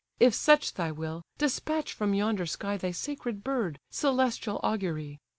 If such thy will, despatch from yonder sky Thy sacred bird, celestial augury!